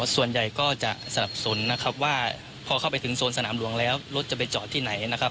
ส่วนใหญ่ก็จะสนับสนนะครับว่าพอเข้าไปถึงโซนสนามหลวงแล้วรถจะไปจอดที่ไหนนะครับ